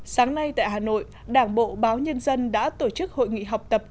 sáng nay tại hà nội đảng bộ báo nhân dân đã tổ chức hội nghị học tập